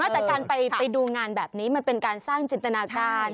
แต่การไปดูงานแบบนี้มันเป็นการสร้างจินตนาการ